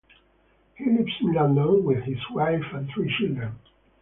He lives in London with his wife and three children.